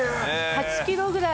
８キロぐらい。